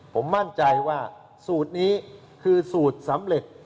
ผมมั่นใจว่าสูตรนี้คือสูตรสำเร็จ